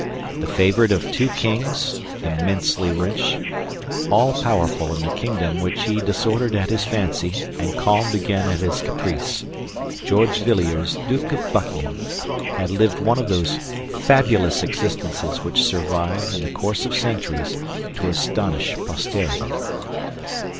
The favorite of two kings, immensely rich, all powerful in a kingdom which he disordered at his fancy and calmed again at his caprice, George Villiers, Duke of Buckingham, had lived one of those fabulous existences which survive, in the course of centuries, to astonish posterity.